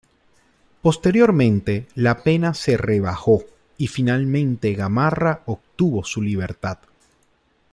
Posteriormente, la pena se rebajó, y finalmente Gamarra obtuvo su libertad.